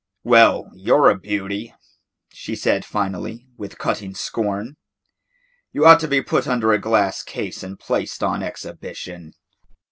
"Well, you 're a beauty," she said finally with cutting scorn. "You ought to be put under a glass case and placed on exhibition."